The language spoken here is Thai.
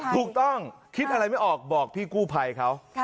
ถูกต้องคิดอะไรไม่ออกบอกพี่กู้ภัยเขา